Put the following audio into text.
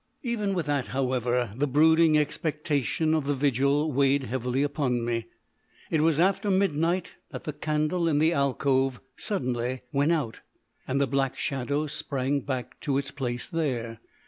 Even with that, however, the brooding expectation of the vigil weighed heavily upon me. It was after midnight that the candle in the alcove suddenly went out, and the black shadow sprang back to its place there.